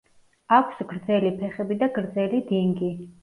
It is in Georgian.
აქვს გრძელი ფეხები და გრძელი დინგი.